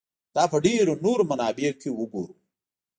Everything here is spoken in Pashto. دا په ډېرو نورو منابعو کې وګورو.